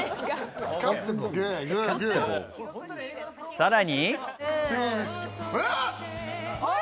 さらに。